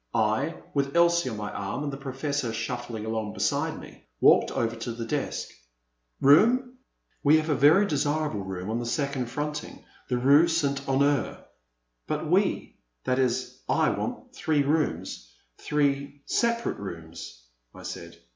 I, with Elsie on my arm and the Professor shuffling along beside me, walked over to the desk. "Room? said the clerk, we have a verv desirable room on the second fronting the rue St. Honors— *'But we — that is I want three rooms — ^three separate rooms !I said.